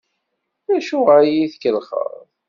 Acuɣer i yi-tkellxeḍ?